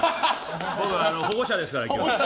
僕、保護者ですから、今日。